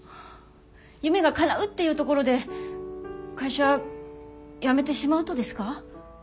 夢がかなうっていうところで会社辞めてしまうとですか？